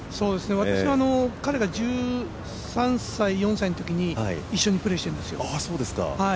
私は彼が１３歳、１４歳のときに一緒にプレーしてるんですよ。